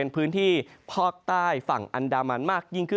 ในภาคฝั่งอันดามันนะครับ